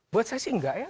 buat saya sih nggak ya